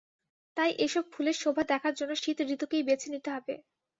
তাই এসব ফুলের শোভা দেখার জন্য শীত ঋতুকেই বেছে নিতে হবে।